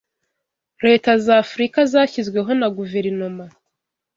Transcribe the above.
leta za Africa zashyizweho na guverinoma